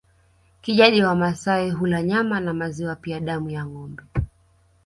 Kijadi Wamasai hula nyama na maziwa pia damu ya ngombe